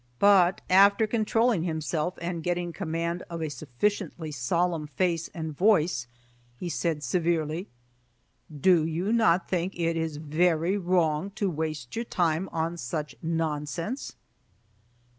But after controlling himself and getting command of a sufficiently solemn face and voice he said severely, "Do you not think it is very wrong to waste your time on such nonsense?"